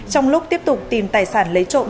trong lúc tiếp tục tìm tài sản lấy trộm